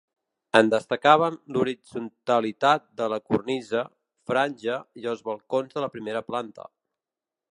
En destacaven l'horitzontalitat de la cornisa, franja i els balcons de la primera planta.